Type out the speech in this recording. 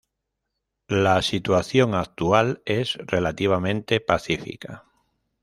La situación actual es relativamente pacífica.